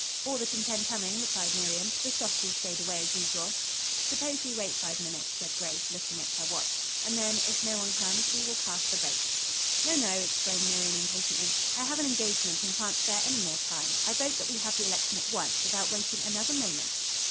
"All that intend coming," replied Miriam. "The softies stayed away, as usual." "Suppose we wait five minutes," said Grace, looking at her watch, "and then, if no one comes, we will cast the votes." "No, no," exclaimed Miriam impatiently. "I have an engagement and can't spare any more time. I vote that we have the election at once, without waiting another moment."